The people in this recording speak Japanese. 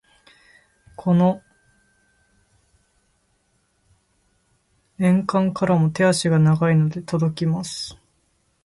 この遠間からも手足が長いので届きます。